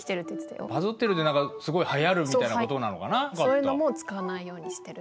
そういうのも使わないようにしてる。